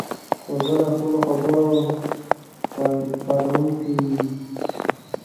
کوربه د خپلو خبرو پالونکی وي.